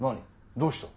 どうした？